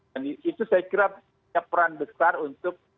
dan itu saya kira punya peran besar untuk